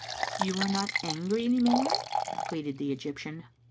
" You are not angry any more?" pleaded the Egyp tian.